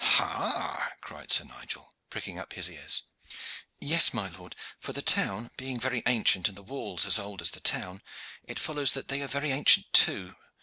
"Ha!" cried Sir Nigel, pricking up his ears. "Yes, my lord, for the town being very ancient and the walls as old as the town, it follows that they are very ancient too.